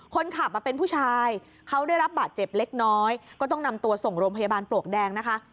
คนขับเป็นผู้ชายเขาได้รับบาดเจ็บเล็กน้อยก็ต้องนำตัวส่งโรงพยาบาลปลวกแดงนะคะ